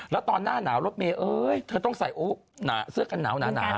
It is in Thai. แล้วตอนหน้าหนาวรถเมย์เธอต้องใส่เสื้อกันหนาว